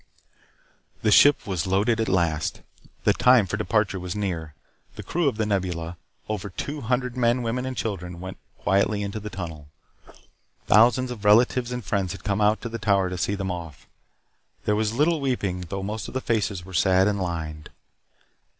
The ship was loaded at last. The time for departure was near. The crew of The Nebula over two hundred men, women and children went quietly into the tunnel. Thousands of relatives and friends had come to the Tower to see them off. There was little weeping though most of the faces were sad and lined.